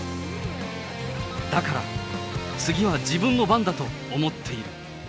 だから次は自分の番だと思っている。